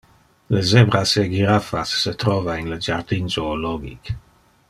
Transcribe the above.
Le zebras e girafas se trova in le jardin zoologic.